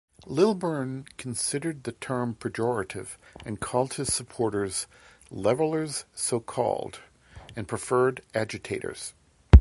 Lilburne considered the term pejorative and called his supporters "Levellers so-called" and preferred "Agitators".